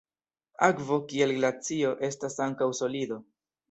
Akvo, kiel glacio, estas ankaŭ solido.